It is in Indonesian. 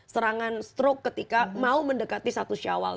serangan stroke ketika mau mendekati satu syawal